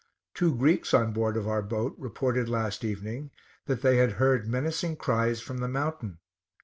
Two Greeks on board of our boat reported last evening, that they had heard menacing cries from the mountain.